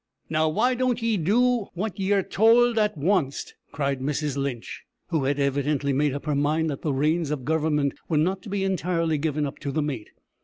"Now, why don't ye do what ye'er towld at wanst?" cried Mrs Lynch, who had evidently made up her mind that the reins of government were not to be entirely given up to the mate.